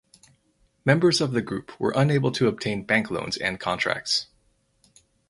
Members of the group were unable to obtain bank loans and contracts.